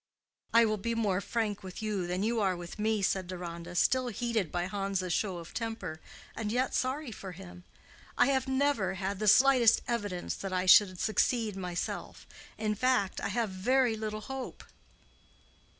"I will be more frank with you than you are with me," said Deronda, still heated by Hans' show of temper, and yet sorry for him. "I have never had the slightest evidence that I should succeed myself. In fact, I have very little hope."